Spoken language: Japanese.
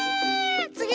つぎ。